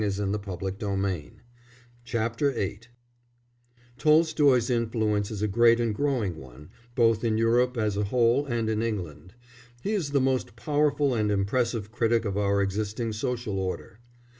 CHAPTER VIII THE INFLUENCE OF TOLSTOY Tolstoy's influence is a great and growing one, both in Europe as a whole and in England. He is the most powerful and impressive critic of our existing social order.